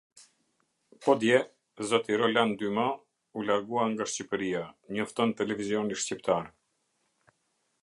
Po dje zoti Rolan Dyma u largua nga Shqipëria, njofton Televizioni Shqiptar.